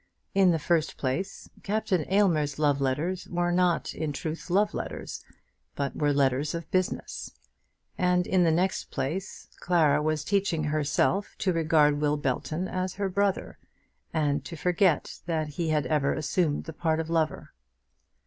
In the first place, Captain Aylmer's love letters were not in truth love letters, but were letters of business; and in the next place, Clara was teaching herself to regard Will Belton as her brother, and to forget that he had ever assumed the part of a lover.